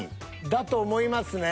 だと思いますね。